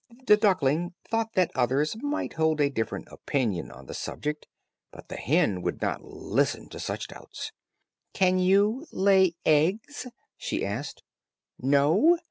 The duckling thought that others might hold a different opinion on the subject, but the hen would not listen to such doubts. "Can you lay eggs?" she asked. "No."